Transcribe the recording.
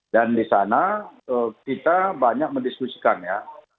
dan di sana kita banyak mendiskusikan ya